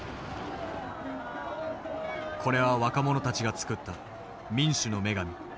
これは若者たちが作った民主の女神。